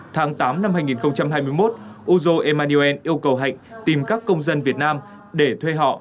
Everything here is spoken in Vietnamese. tháng tám năm hai nghìn hai mươi một uzo emaniel yêu cầu hạnh tìm các công dân việt nam để thuê họ